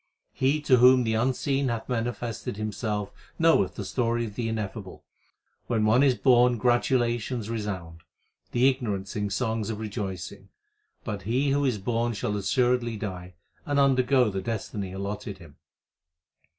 He to whom the Unseen hath manifested Himself knoweth the story of the Ineffable. When one is born gratulations resound ; The ignorant sing songs of rejoicing ; But he who is born shall assuredly die, and undergo the destiny allotted him.